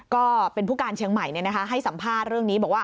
ก็เป็นผู้การเชียงใหม่ให้สัมภาษณ์เรื่องนี้บอกว่า